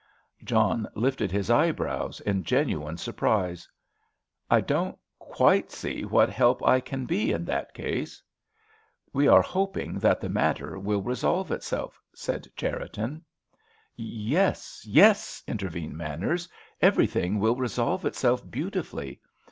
John lifted his eyebrows in genuine surprise. "I don't quite see what help I can be in that case!" "We are hoping that the matter will resolve itself," said Cherriton. "Yes—yes!" intervened Manners, "everything will resolve itself beautifully.